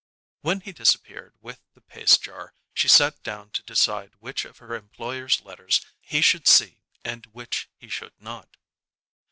When he disappeared with the paste jar, she sat down to decide which of her employer's letters he should see and which he should not.